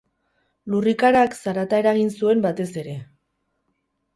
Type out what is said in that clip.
Lurrikarak zarata eragin zuen batez ere.